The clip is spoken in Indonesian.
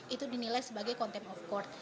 itu dinilai sebagai contempt of court